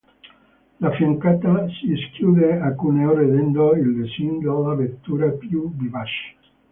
La fiancata si chiude a cuneo rendendo il design della vettura più vivace.